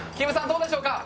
どうでしょうか？